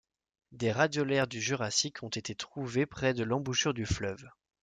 Des radiolaires du Jurassique ont été trouvées près se l'embouchure du fleuve.